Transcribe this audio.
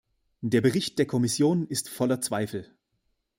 Der Bericht der Kommission ist voller Zweifel.